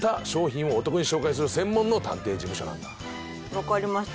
分かりました